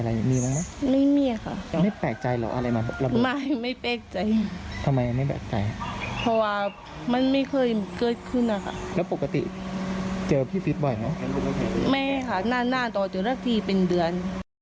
ไม่ค่ะหน้าต่อเจอละทีเป็นเดือน